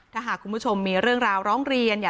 ถ้าหากคุณผู้ชมมีเรื่องราวร้องเรียน